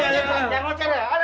jangan ngelucar ya